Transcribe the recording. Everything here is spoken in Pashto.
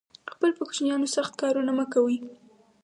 خپل په کوچینیانو سخت کارونه مه کوی